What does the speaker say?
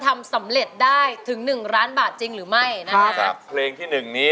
พี่วาสักเนี่ยไม่ได้ว่าเป็นคนป่าเถือนหรืออะไรแต่ว่ารักนายคิตตี้